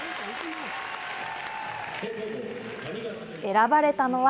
選ばれたのは。